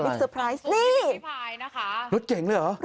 อะไรนี่รถเก่งเลยเหรอ